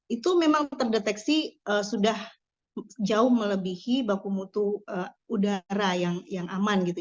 itu memang terdeteksi sudah jauh melebihi baku mutu udara yang aman gitu